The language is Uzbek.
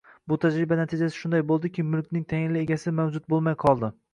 Bu tajriba natijasi shunday bo‘ldiki, mulkning tayinli egasi mavjud bo‘lmay qoldi